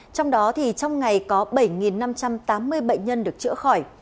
trong đó trong ngày có bảy năm trăm tám mươi bệnh nhân được chữa khỏi